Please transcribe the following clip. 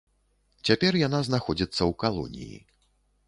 Цяпер яна знаходзіцца ў калоніі.